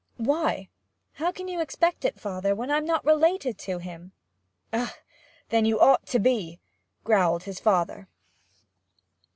'Why? How can you expect it, father, when I'm not related to him?' 'Ugh! Then you ought to be!' growled his father.